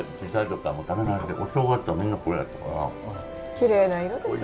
きれいな色ですね。